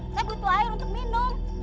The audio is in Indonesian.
saya butuh air untuk minum